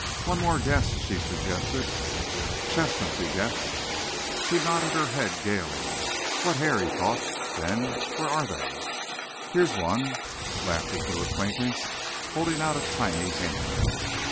"One more guess," she suggested. "Chestnuts!" he guessed. She nodded her head gaily. "What hair!" he thought. Then "Where are they?" "Here's one," laughed his new acquaintance, holding out a tiny hand.